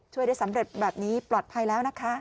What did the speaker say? ช่วยได้สำเร็จแบบนี้ปลอดภัยแล้วนะคะ